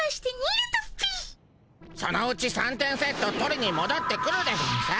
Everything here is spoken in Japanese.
そのうち３点セット取りにもどってくるでゴンス。